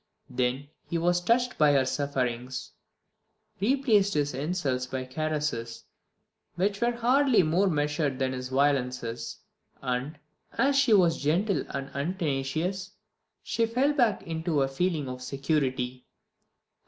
Then he was touched by her sufferings, replaced his insults by caresses which were hardly more measured than his violences and, as she was gentle and untenacious, she fell back into her feeling of security" (p.